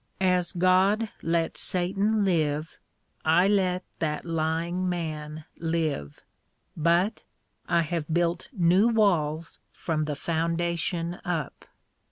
"As God lets Satan live," I let that lying man live, but I have built new walls from the foundation up.